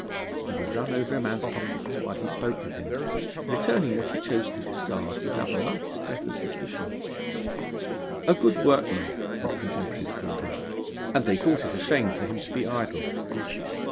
He would run over a man's pockets while he spoke with him, returning what he chose to discard without the lightest breath of suspicion. 'A good workman,' his contemporaries called him; and they thought it a shame for him to be idle.